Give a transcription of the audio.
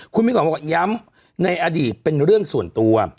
คุณมิ่งขวัญบอกย้ำในอดีตเป็นเรื่องส่วนตัว